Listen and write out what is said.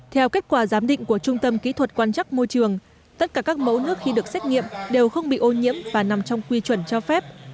theo kết quả giám định của trung tâm kỹ thuật quan chắc môi trường tất cả các mẫu nước khi được xét nghiệm đều không bị ô nhiễm và nằm trong quy chuẩn cho phép